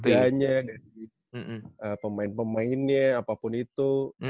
dari lidahnya dari pemain pemainnya apapun itu